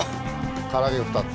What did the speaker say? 唐揚げ２つ。